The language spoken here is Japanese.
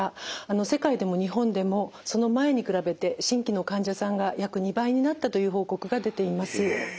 世界でも日本でもその前に比べて新規の患者さんが約２倍になったという報告が出ています。